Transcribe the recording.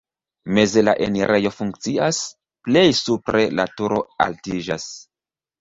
Meze la enirejo funkcias, plej supre la turo altiĝas.